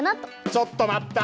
ちょっと待った！